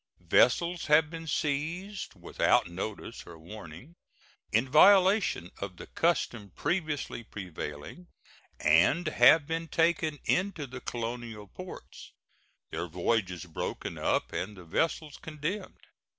Vessels have been seized without notice or warning, in violation of the custom previously prevailing, and have been taken into the colonial ports, their voyages broken up, and the vessels condemned.